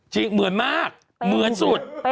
เหมือนมากเหมือนสุด